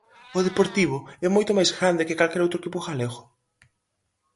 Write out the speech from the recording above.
O Deportivo é moito máis grande que calquer outro equipo galego